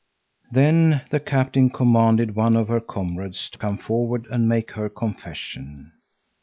Then the captain commanded one of her comrades to come forward and make her confession.